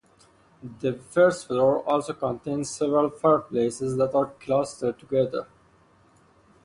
The first floor also contains several fireplaces that are clustered together.